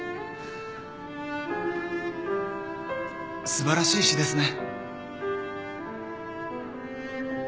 素晴らしい詩ですね。